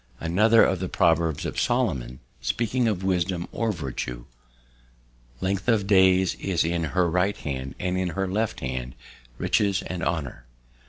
Another from the Proverbs of Solomon, speaking of wisdom or virtue: "Length of days is in her right hand, and in her left hand riches and honour.